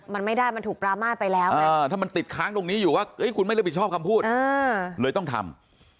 มันไม่ได้มันถูกปรามาทไปแล้วไงถ้ามันติดค้างตรงนี้อยู่ว่าคุณไม่รับผิดชอบคำพูดเลยต้องทำ